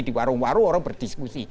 di warung warung berdiskusi